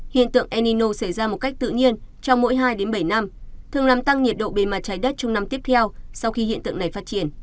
hiện tượng enino xảy ra một cách tự nhiên trong mỗi hai bảy năm thường làm tăng nhiệt độ bề mặt trái đất trong năm tiếp theo sau khi hiện tượng này phát triển